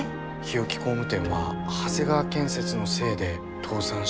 日置工務店は長谷川建設のせいで倒産したのかも。